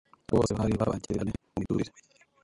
Abo bose bari bavangitiranye mu miturire.